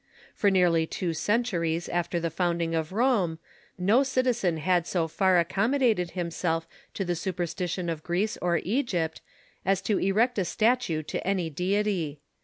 For nearly two centuries after the founding of Rome no citizen had so far accommo dated himself to the superstition of Greece or Egypt as to erect a statue to any deity.